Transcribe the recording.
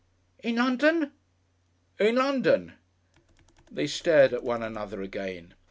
_" "In London?" "In London." They stared at one another again.